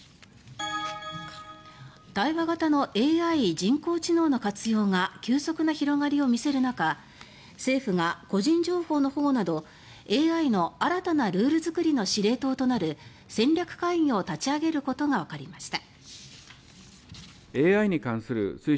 対話型のＡＩ・人工知能の活用が急速な広がりを見せる中政府が個人情報の保護などＡＩの新たなルール作りの司令塔となる戦略会議を立ち上げることがわかりました。